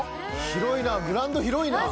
広いなグラウンド広いな！